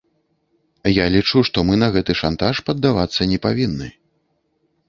Я лічу, што мы на гэты шантаж паддавацца не павінны.